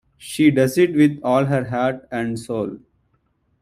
She does it with all her heart and soul.